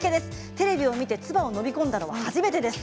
テレビを見て唾を飲み込んだのは初めてです。